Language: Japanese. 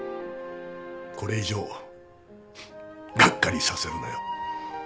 これ以上がっかりさせるなよ